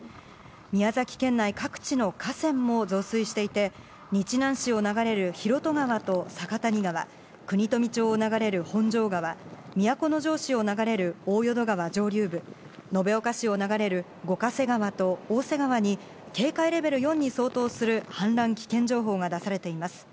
宮崎県内各地の河川も増水していて、日南市を流れる広渡川と酒谷川、国富町を流れる本庄川、都城市を流れる大淀川上流部、延岡市を流れる五ヶ瀬川と大瀬川に、警戒レベル４に相当する氾濫危険情報が出されています。